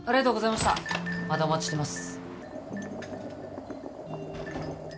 またお待ちしてます